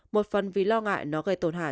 một phần vì lo ngại nó gây tổn hại